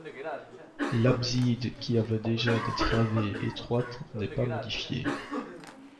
L'abside, qui avait déjà des travées étroites, n'est pas modifiée.